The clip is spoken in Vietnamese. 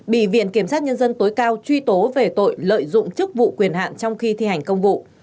bị viện kiểm sát nhân dân tối cao truy tố về tội lợi dụng chức vụ quyền hạn trong khi thi hành công vụ